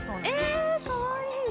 えかわいい！